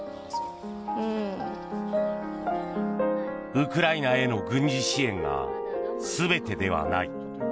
ウクライナへの軍事支援が全てではない。